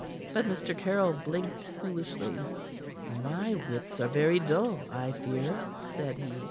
But Mr. Caryll blinked foolishly. "My wits are very dull, I fear," said he.